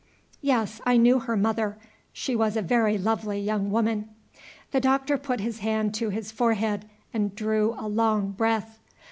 "Yes, I knew her mother. She was a very lovely young woman." The Doctor put his hand to his forehead and drew a long breath.